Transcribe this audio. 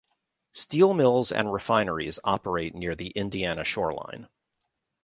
Steel mills and refineries operate near the Indiana shoreline.